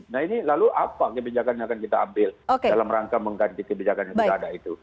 nah ini lalu apa kebijakan yang akan kita ambil dalam rangka mengganti kebijakan yang sudah ada itu